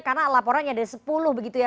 karena laporannya ada sepuluh begitu ya